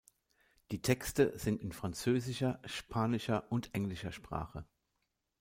Die Texte sind in französischer, spanischer und englischer Sprache.